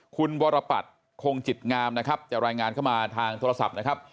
คุณวรปัตรคงจิตงามนะครับจะรายงานเข้ามาทางโทรศัพท์นะครับ